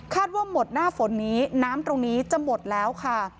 ว่าหมดหน้าฝนนี้น้ำตรงนี้จะหมดแล้วค่ะ